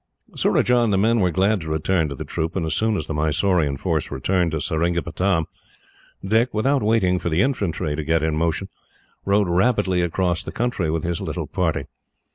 Surajah and the men were glad to return to the troop, and as soon as the Mysorean force returned to Seringapatam, Dick, without waiting for the infantry to get in motion, rode rapidly across the country with his little party.